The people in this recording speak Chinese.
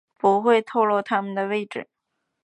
不会透漏他们的位置